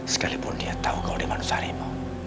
sekalipun dia tahu kalau dia manusia harimau